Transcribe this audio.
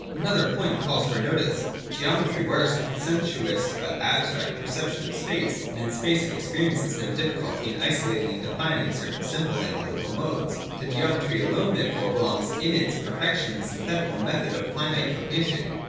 Another point calls for notice. Geometry works with VOL. II. B b 370 THE DOCTRINE OF THE NOTION. [231 ^32 the sensuous but abstract perception of space ; and in space it experiences no difficulty in isolating and defin ing certain simple analytic modes. To geometry alone therefore belongs in its perfection the synthetical method of finite cognition.